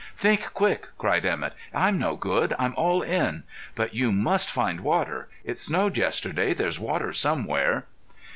"Think quick!" cried Emett. "I'm no good; I'm all in. But you must find water. It snowed yesterday. There's water somewhere."